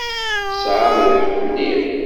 Tesɛam lḥeqq mliḥ.